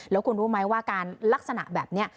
แล้วคุณรู้ไหมว่าการลักษณะแบบนี้